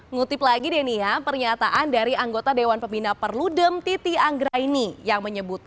ngutip lagi deh nih ya pernyataan dari anggota dewan pembina perludem titi anggraini yang menyebut